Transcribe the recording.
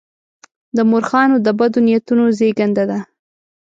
د مورخانو د بدو نیتونو زېږنده ده.